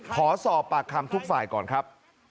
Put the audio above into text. ขอสอบปากคำทุกฝ่ายก่อนครับ